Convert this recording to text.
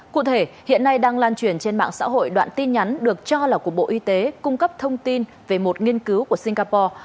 cụ thể hiện nay đang lan truyền trên mạng xã hội đoạn tin nhắn được cho là của bộ y tế cung cấp thông tin về một nghiên cứu của singapore